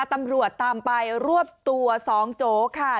ตำรวจตามไปรวบตัว๒โจ๊ค่ะ